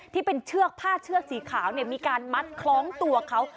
ที่เป็นเชือกผ้าเชือกสีขาวมีการมัดคล้องตัวเขา